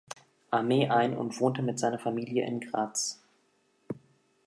Armee ein und wohnte mit seiner Familie in Graz.